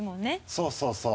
そうそうそう。